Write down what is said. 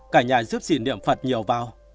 cả nhà giúp chị niệm phật nhiều vào